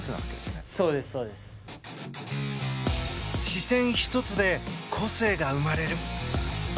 視線１つで個性が生まれる。